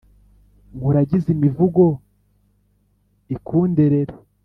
Nkuragize imivugo ikunderere